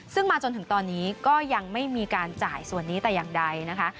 ซึ่งมาจนถึงตอนนี้ก็ยังไม่มีการจ่ายส่วนนี้แต่อย่างใดนะคะ